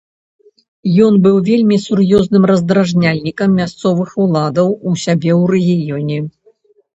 Ён быў вельмі сур'ёзным раздражняльнікам мясцовых уладаў у сябе ў рэгіёне.